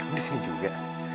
di sini juga